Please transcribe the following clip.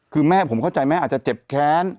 คือแม่ผมเข้าใจแม่อาจจะเจ็บแค้น